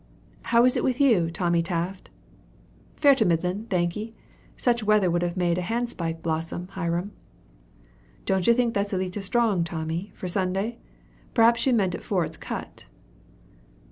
"How is it with you, Tommy Taft?" "Fair to middlin', thank'e. Such weather would make a hand spike blossom, Hiram." "Don't you think that's a leetle strong, Tommy, for Sunday? P'raps you mean afore it's cut?"